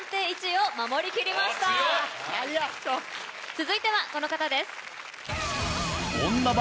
続いてはこの方です。